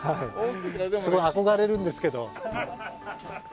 すごい憧れるんですけど。